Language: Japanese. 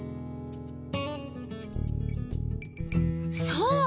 そう。